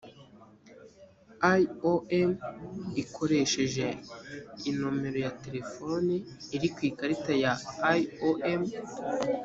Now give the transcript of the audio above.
iom akoresheje inomero ya telefone iri ku ikarita ya iom